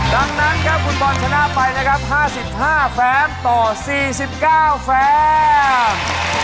ดังนั้นครับคุณบอลชนะไปนะครับ๕๕แฟมต่อ๔๙แฟม